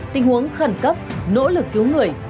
tình huống khẩn cấp nỗ lực cứu người